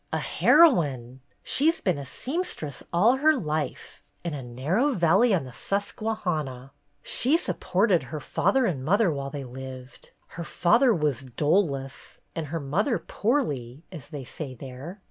"A heroine! She 's been a seamstress all her life, in a narrow valley on the Susquehanna. She supported her father and mother while they lived. Her father was 'doless' and her mother 'poorly' as they say there.